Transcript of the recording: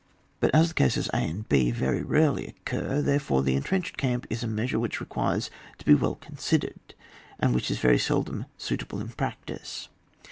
But as the cases a and h very rarely occur, therefore, the entrenched camp is a measure which requires to be well considered, and which is very seldom suitable in practice.